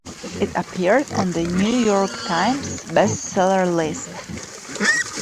It appeared on "The New York Times" Best seller list.